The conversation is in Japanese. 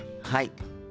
はい。